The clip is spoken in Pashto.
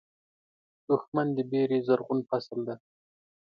دښمن د وېرې زرغون فصل دی